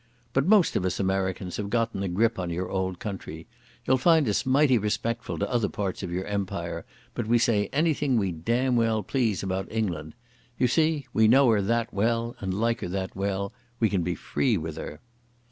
But most of us Americans have gotten a grip on your Old Country. You'll find us mighty respectful to other parts of your Empire, but we say anything we damn well please about England. You see, we know her that well and like her that well, we can be free with her.